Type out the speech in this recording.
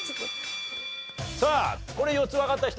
さあこれ４つわかった人？